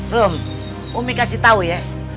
rum umi kasih tau ya